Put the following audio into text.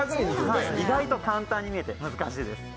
意外と簡単に見えて難しいです。